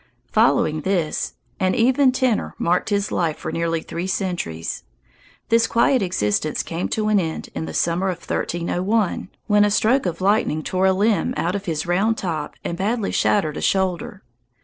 Following this, an even tenor marked his life for nearly three centuries. This quiet existence came to an end in the summer of 1301, when a stroke of lightning tore a limb out of his round top and badly shattered a shoulder.